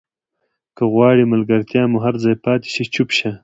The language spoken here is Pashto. که غواړې ملګرتیا مو پر ځای پاتې شي چوپ شه.